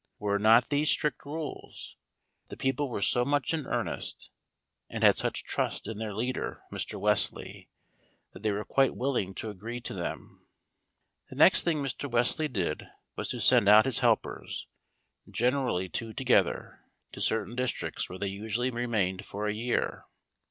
Were not these strict rules? But the people were so much in earnest, and had such trust in their leader, Mr. Wesley, that they were quite willing to agree to them. The next thing Mr. Wesley did was to send out his helpers, generally two together, to certain districts where they usually remained for a year.